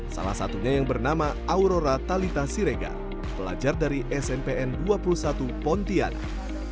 salah satunya yang bernama aurora talitha siregar pelajar dari smpn dua puluh satu pontianak